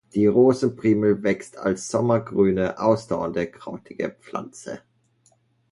Die Rosen-Primel wächst als sommergrüne, ausdauernde krautige Pflanze.